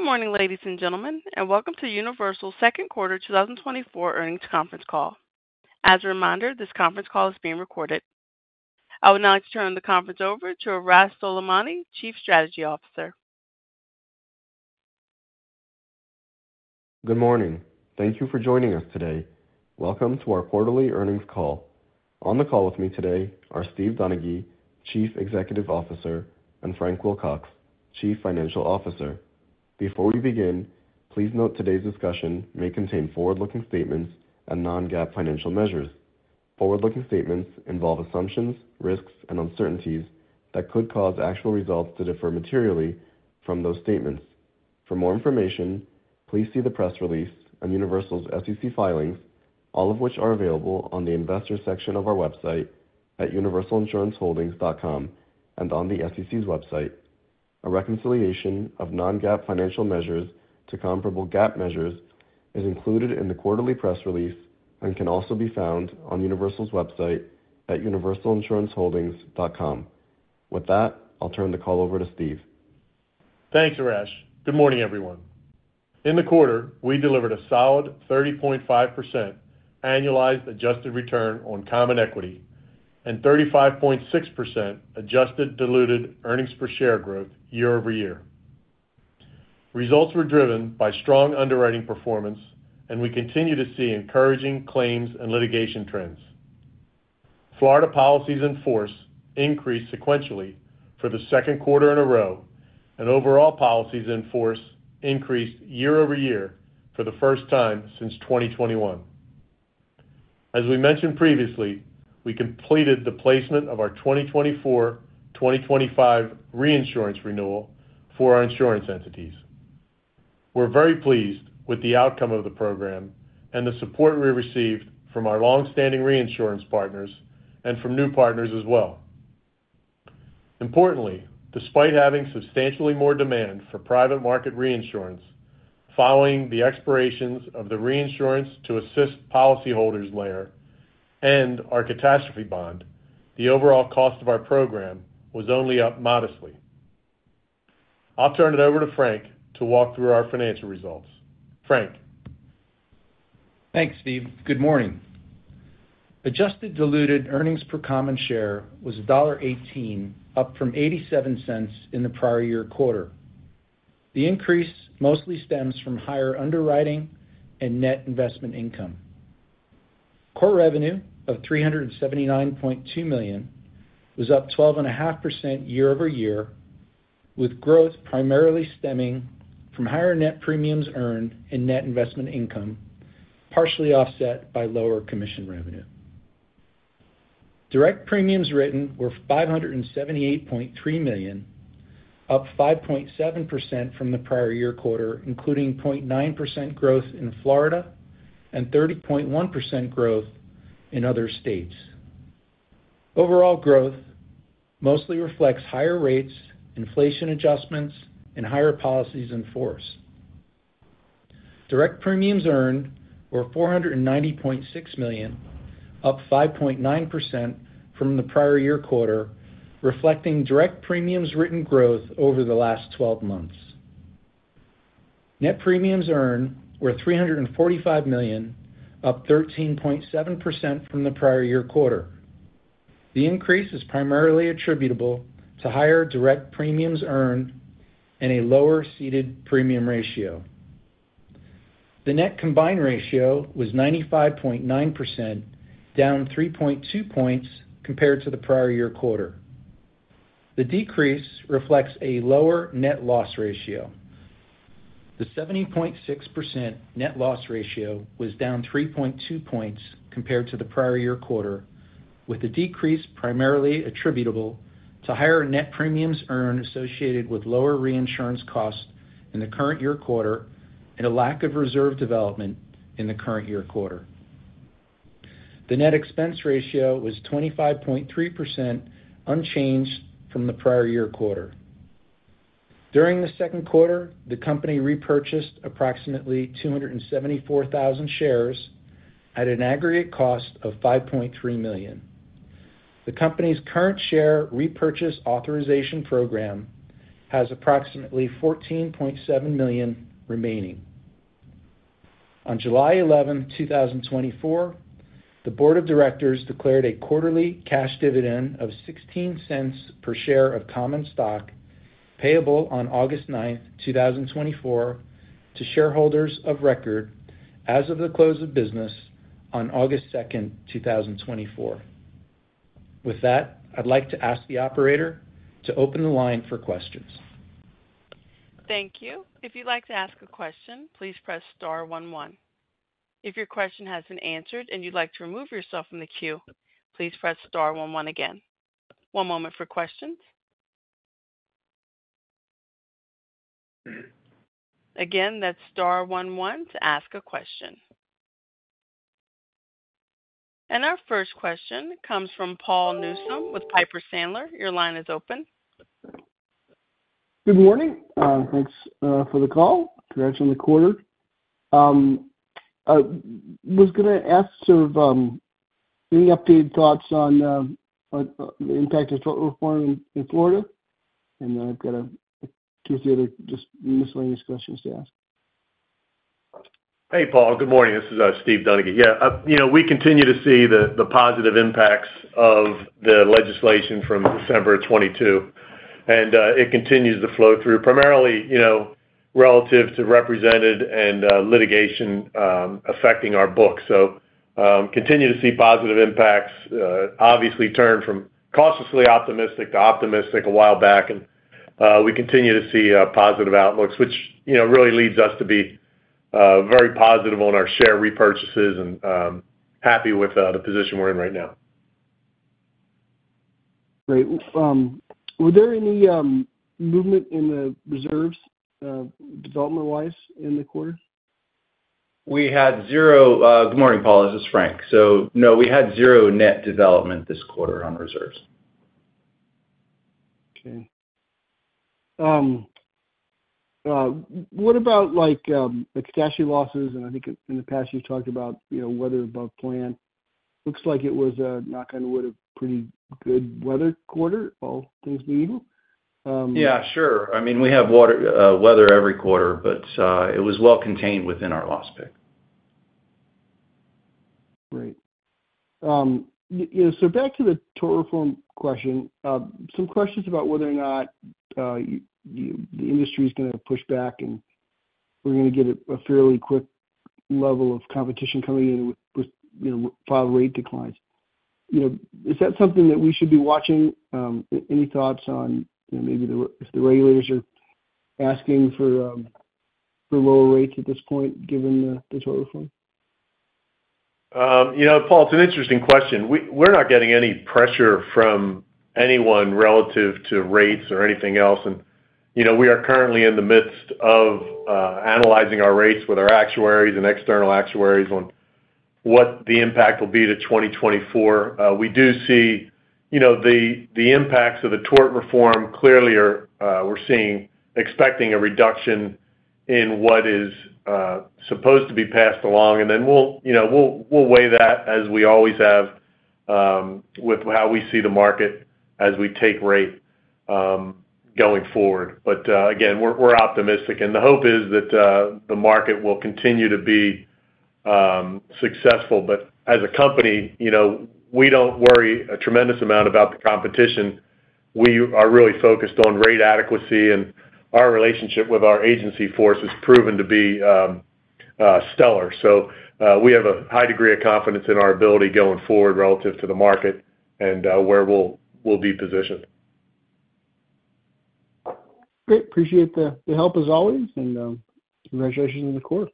Good morning, ladies and gentlemen, and welcome to Universal's Second Quarter 2024 Earnings Conference Call. As a reminder, this conference call is being recorded. I would now like to turn the conference over to Arash Soleimani, Chief Strategy Officer. Good morning. Thank you for joining us today. Welcome to our quarterly earnings call. On the call with me today are Steve Donaghy, Chief Executive Officer, and Frank Wilcox, Chief Financial Officer. Before we begin, please note today's discussion may contain forward-looking statements and non-GAAP financial measures. Forward-looking statements involve assumptions, risks, and uncertainties that could cause actual results to differ materially from those statements. For more information, please see the press release on Universal's SEC filings, all of which are available on the Investors section of our website at universalinsuranceholdings.com and on the SEC's website. A reconciliation of non-GAAP financial measures to comparable GAAP measures is included in the quarterly press release and can also be found on Universal's website at universalinsuranceholdings.com. With that, I'll turn the call over to Steve. Thanks, Arash. Good morning, everyone. In the quarter, we delivered a solid 30.5% annualized adjusted return on common equity and 35.6% adjusted diluted earnings per share growth year-over-year. Results were driven by strong underwriting performance, and we continue to see encouraging claims and litigation trends. Florida policies in force increased sequentially for the second quarter in a row, and overall policies in force increased year-over-year for the first time since 2021. As we mentioned previously, we completed the placement of our 2024-2025 reinsurance renewal for our insurance entities. We're very pleased with the outcome of the program and the support we received from our long-standing reinsurance partners and from new partners as well. Importantly, despite having substantially more demand for private market reinsurance, following the expirations of the Reinsurance to Assist Policyholders layer and our catastrophe bond, the overall cost of our program was only up modestly. I'll turn it over to Frank to walk through our financial results. Frank? Thanks, Steve. Good morning. Adjusted diluted earnings per common share was $1.18, up from $0.87 in the prior year quarter. The increase mostly stems from higher underwriting and net investment income. Core revenue of $379.2 million was up 12.5% year-over-year, with growth primarily stemming from higher net premiums earned and net investment income, partially offset by lower commission revenue. Direct premiums written were $578.3 million, up 5.7% from the prior year quarter, including 0.9% growth in Florida and 30.1% growth in other states. Overall growth mostly reflects higher rates, inflation adjustments, and higher policies in force. Direct premiums earned were $490.6 million, up 5.9% from the prior year quarter, reflecting direct premiums written growth over the last twelve months. Net premiums earned were $345 million, up 13.7% from the prior year quarter. The increase is primarily attributable to higher direct premiums earned and a lower ceded premium ratio. The net combined ratio was 95.9%, down 3.2 points compared to the prior year quarter. The decrease reflects a lower net loss ratio. The 70.6% net loss ratio was down 3.2 points compared to the prior year quarter, with the decrease primarily attributable to higher net premiums earned associated with lower reinsurance costs in the current year quarter and a lack of reserve development in the current year quarter. The net expense ratio was 25.3%, unchanged from the prior-year quarter. During the second quarter, the company repurchased approximately 274,000 shares at an aggregate cost of $5.3 million. The company's current share repurchase authorization program has approximately 14.7 million remaining. On July 11, 2024, the board of directors declared a quarterly cash dividend of $0.16 per share of common stock, payable on August 9, 2024, to shareholders of record as of the close of business on August 2, 2024. With that, I'd like to ask the operator to open the line for questions. Thank you. If you'd like to ask a question, please press star one one. If your question has been answered and you'd like to remove yourself from the queue, please press star one one again. One moment for questions. Again, that's star one one to ask a question. Our first question comes from Paul Newsome with Piper Sandler. Your line is open. Good morning. Thanks for the call. Congrats on the quarter. I was gonna ask sort of any updated thoughts on the impact of tort reform in Florida? And then I've got two other just miscellaneous questions to ask. Hey, Paul, good morning. This is Steve Donaghy. Yeah, you know, we continue to see the positive impacts of the legislation from December of 2022, and it continues to flow through primarily, you know, relative to represented and litigation affecting our books. So, continue to see positive impacts. Obviously turned from cautiously optimistic to optimistic a while back, and we continue to see positive outlooks, which, you know, really leads us to be very positive on our share repurchases and happy with the position we're in right now. Great. Were there any movement in the reserves, development-wise in the quarter? We had zero. Good morning, Paul. This is Frank. So no, we had zero net development this quarter on reserves. Okay. What about, like, catastrophe losses? And I think in the past, you've talked about, you know, weather above plan. Looks like it was a, knock on wood, a pretty good weather quarter, all things being equal. Yeah, sure. I mean, we have weather every quarter, but it was well contained within our loss pick. Great. You know, so back to the tort reform question. Some questions about whether or not, the industry is gonna push back, and we're gonna get a fairly quick level of competition coming in with, you know, file rate declines. You know, is that something that we should be watching? Any thoughts on, you know, maybe if the regulators are asking for, for lower rates at this point, given the, the Tort reform? You know, Paul, it's an interesting question. We're not getting any pressure from anyone relative to rates or anything else. And, you know, we are currently in the midst of analyzing our rates with our actuaries and external actuaries on what the impact will be to 2024. We do see, you know, the impacts of the tort reform clearly are. We're seeing, expecting a reduction in what is supposed to be passed along, and then we'll, you know, weigh that, as we always have, with how we see the market as we take rate going forward. But, again, we're optimistic, and the hope is that the market will continue to be successful. But as a company, you know, we don't worry a tremendous amount about the competition. We are really focused on rate adequacy, and our relationship with our agency force has proven to be stellar. So, we have a high degree of confidence in our ability going forward relative to the market and where we'll be positioned. Great. Appreciate the help, as always, and congratulations on the quarter.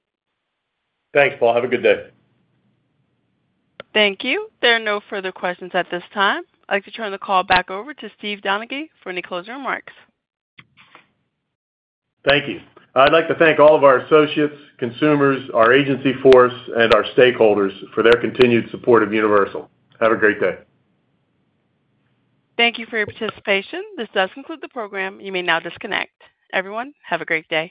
Thanks, Paul. Have a good day. Thank you. There are no further questions at this time. I'd like to turn the call back over to Steve Donaghy for any closing remarks. Thank you. I'd like to thank all of our associates, consumers, our agency force, and our stakeholders for their continued support of Universal. Have a great day. Thank you for your participation. This does conclude the program. You may now disconnect. Everyone, have a great day.